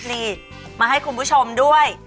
นี่มาให้คุณผู้ชมด้วย